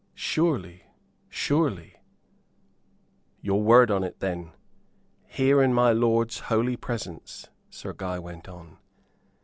"Surely, surely." "Your word on it, then here in my lord's holy presence," Sir Guy went on.